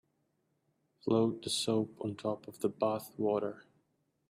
Float the soap on top of the bath water.